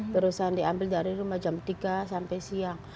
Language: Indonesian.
terusan diambil dari rumah jam tiga sampai siang